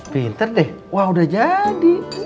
pinter deh wah udah jadi